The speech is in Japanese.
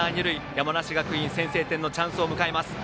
山梨学院先制点のチャンスを迎えます。